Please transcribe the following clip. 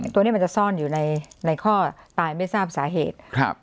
ตัวนี้มันจะซ่อนอยู่ในข้อตายไม่ทราบสาเหตุ